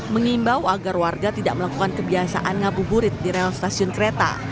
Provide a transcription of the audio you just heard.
mengimbau agar warga tidak melakukan kebiasaan ngabuburit di rel stasiun kereta